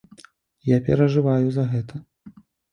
Я перажываю за гэта.